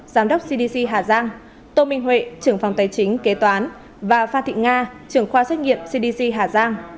giám đốc cdc hà giang tô minh huệ trưởng phòng tài chính kế toán và phan thị nga trưởng khoa xét nghiệm cdc hà giang